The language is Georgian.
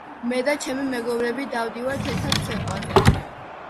მე და ჩემი მეგობრები დავდივართ ერთად ცეკვაზე